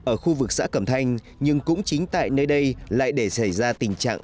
ở khu vực xã cẩm thanh nhưng cũng chính tại nơi đây lại để xảy ra tình trạng